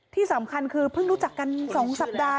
ที่สำคัญคือเพิ่งรู้จักกัน๒สัปดาห์